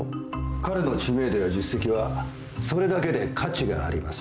彼の知名度や実績はそれだけで価値があります。